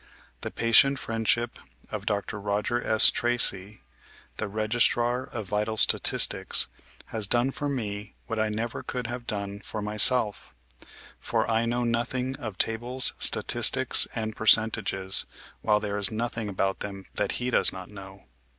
The patient friendship of Dr. Roger S.Tracy, the Registrar of Vital Statistics, has done for me wiiat I never could have done for myself ; for I know notiiing of tables, statistics and percentages, while there is nothing about them that he does not know.